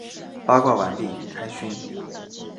八卦完毕，开勋！